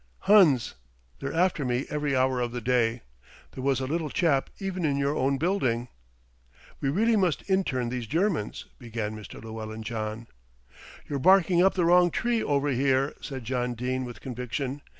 "Huns, they're after me every hour of the day. There was a little chap even in your own building." "We really must intern these Germans " began Mr. Llewellyn John. "You're barking up the wrong tree, over here," said John Dene with conviction.